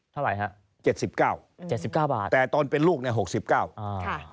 เท่าไหร่ครับ๗๙บาทแต่ตอนเป็นลูกนี่๖๙บาท